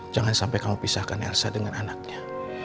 jangan sampai kamu pisahkan ersa dengan anaknya